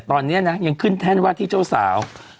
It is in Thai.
ตอนนี้นะยังขึ้นแท่นว่าที่เจ้าสาว